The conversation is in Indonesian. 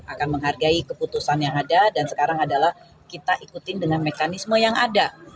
akan menghargai keputusan yang ada dan sekarang adalah kita ikutin dengan mekanisme yang ada